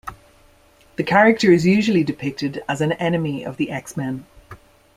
The character is usually depicted as an enemy of the X-Men.